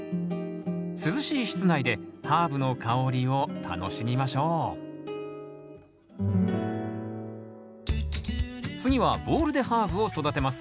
涼しい室内でハーブの香りを楽しみましょう次はボウルでハーブを育てます。